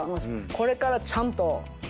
これからちゃんと。